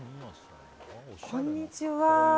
こんにちは。